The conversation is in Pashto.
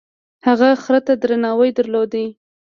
هغه خر ته درناوی درلود.